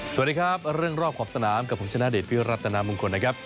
สวัสดีครับเรื่องรอบขอบสนามกับผมชนะเดชพิรัตนามงคลนะครับ